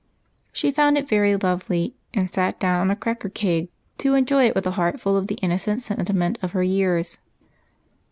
She found it very lovely, and sat down on a cracker 6* 106 EIGHT COUSINS. keg to enjoy it with a heart full of the innocent senti ment of her years.